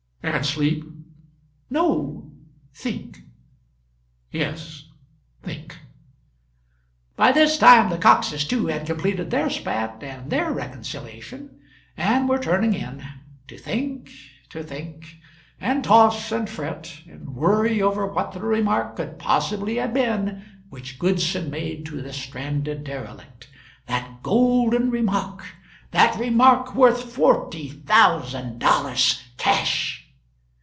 "And sleep?" "No; think." "Yes; think." By this time the Coxes too had completed their spat and their reconciliation, and were turning in to think, to think, and toss, and fret, and worry over what the remark could possibly have been which Goodson made to the stranded derelict; that golden remark; that remark worth forty thousand dollars, cash.